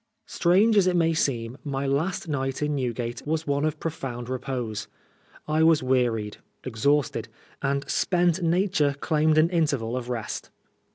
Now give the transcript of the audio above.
Strange as it may seem, my last night in Newgate was one of profound repose. I was wearied, exhausted ; and spent nature claimed an interval of rest.